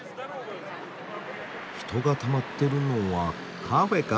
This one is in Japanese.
人がたまってるのはカフェか？